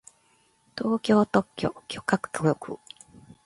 東京特許許可局